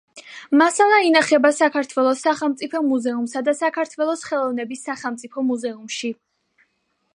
მასალა ინახება საქართველოს სახელმწიფო მუზეუმსა და საქართველოს ხელოვნების სახელმწიფო მუზეუმში.